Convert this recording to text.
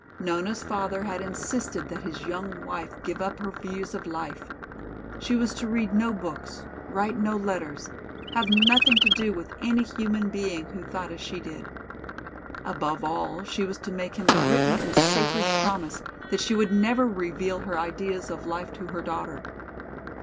Nona's father had insisted that his young wife give up her views of life. She was to read no books, write no letters, have nothing to do with any human being who thought as she did. Above all, she was to make him a written and sacred promise that she would never reveal her ideas of life to her daughter.